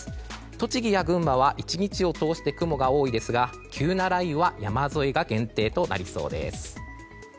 栃木や群馬は１日を通して雲が多いですが急な雷雨は山沿いが限定となりそうです。